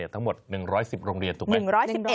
ทั้งหมด๑๑๐โรงเรียนถูกไหม